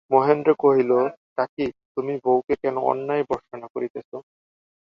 মহেন্দ্র কহিল, কাকী, তুমি বউকে কেন অন্যায় ভর্ৎসনা করিতেছ।